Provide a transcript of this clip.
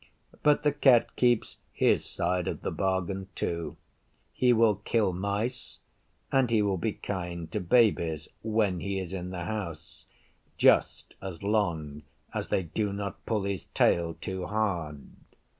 But the Cat keeps his side of the bargain too. He will kill mice and he will be kind to Babies when he is in the house, just as long as they do not pull his tail too hard.